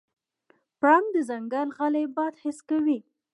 پړانګ د ځنګل غلی باد حس کوي.